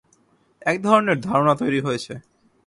এক ধরনের ধারণা তৈরি হয়েছে।